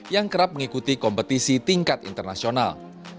yang kerap mengikuti kompetisi tingkat internasional